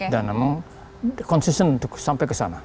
dan memang konsisten sampai ke sana